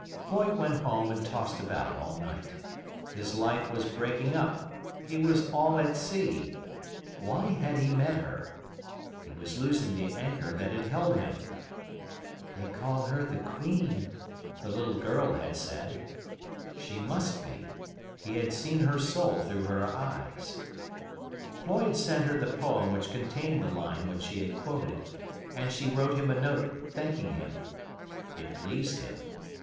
Floyd went home and tossed about all night. His life was breaking up, he was all at sea. Why had he met her? He was losing the anchor that had held him. "They call her the queen," the little girl had said. She must be. He had seen her soul through her eyes. Floyd sent her the poem which contained the line which she had quoted; and she wrote him a note thanking him. It pleased him.